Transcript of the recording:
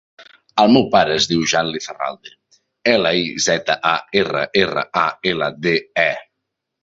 El meu pare es diu Jan Lizarralde: ela, i, zeta, a, erra, erra, a, ela, de, e.